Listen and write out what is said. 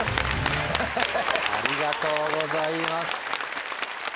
ありがとうございます。